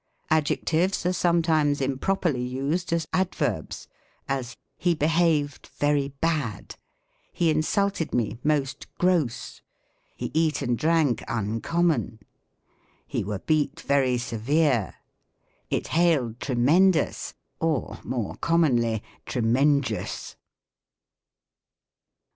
Adjectives are sometimes improperly used as ad verbs : as, " He behaved very bad." " He insulted me most gross.'' " He eat and drank uncommon." " He wur beat very severe." " It hailed tremendous," or, more commonly, '^tremenjus."